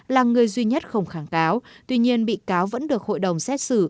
là người duy nhất không kháng cáo tuy nhiên bị cáo vẫn được hội đồng xét xử